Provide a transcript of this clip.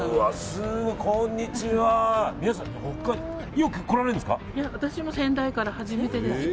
よく来られるんですか？